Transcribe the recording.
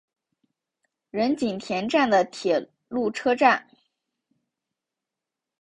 仁井田站的铁路车站。